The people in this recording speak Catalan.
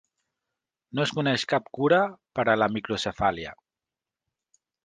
No es coneix cap cura per a la microcefàlia.